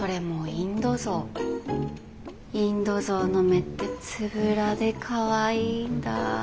インド象の目ってつぶらでかわいいんだ。